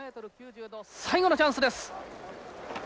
最後のチャンスです。